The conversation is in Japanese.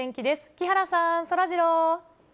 木原さん、そらジロー。